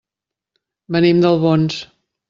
Venim d'Albons.